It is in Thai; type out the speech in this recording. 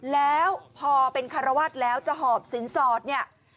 แล้วพอเป็นคารวาสแล้วจะหอบสินสอดเนี่ย